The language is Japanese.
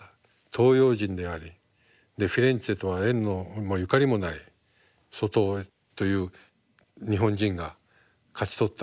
東洋人でありフィレンツェとは縁もゆかりもない外尾という日本人が勝ち取った。